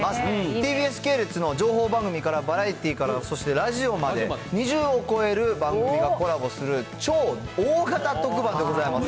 ＴＢＳ系列の情報番組から、バラエティーから、そしてラジオまで、２０を超える番組がコラボする超大型特番でございます。